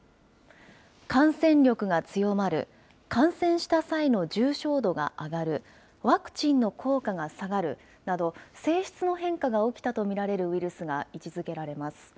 感染力が強まる、感染した際の重症度が上がる、ワクチンの効果が下がるなど、性質の変化が起きたと見られるウイルスが位置づけられます。